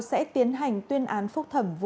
sẽ tiến hành tuyên án phúc thẩm vụ đại hội